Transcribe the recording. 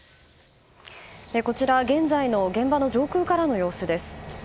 こちら、現在の現場の上空からの様子です。